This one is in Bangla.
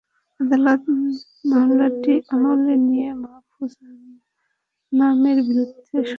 আদালত মামলাটি আমলে নিয়ে মাহ্ফুজ আনামের বিরুদ্ধে সমন জারির আদেশ দিয়েছিলেন।